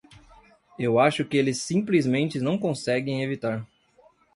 Eu acho que eles simplesmente não conseguem evitar.